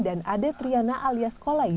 dan adik triana alias kolai